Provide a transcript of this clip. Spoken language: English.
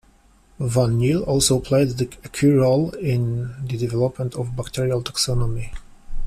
Van Niel also played a key role in the development of bacterial taxonomy.